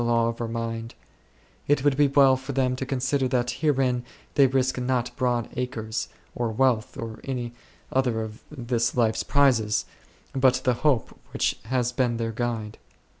law of our mind ; it would be well for them to consider that herein they risk not broad acres, ■or wealth, or any other of this life's prizes, but the hope which has been their guide.